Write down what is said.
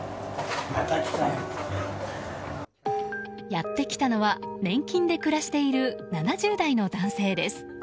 やってきたのは年金で暮らしている７０代の男性です。